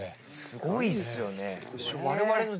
すごいっすよね。